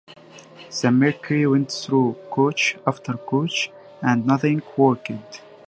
The Mercury went through coach after coach, and nothing worked.